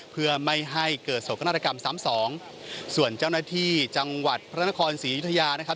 เพื่อไม่ให้เกิดโศกนาฏกรรมซ้ำสองส่วนเจ้าหน้าที่จังหวัดพระนครศรียุธยานะครับ